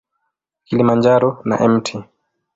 Kilimanjaro na Mt.